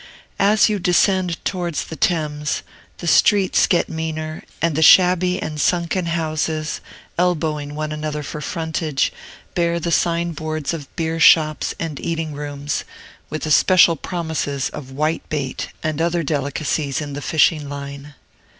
As you descend towards the Thames, the streets get meaner, and the shabby and sunken houses, elbowing one another for frontage, bear the sign boards of beer shops and eating rooms, with especial promises of whitebait and other delicacies in the fishing line.